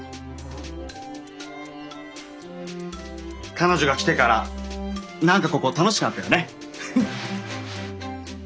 彼女が来てから何かここ楽しくなったよね。